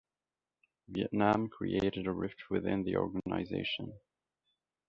Vietnam created a rift within the organization.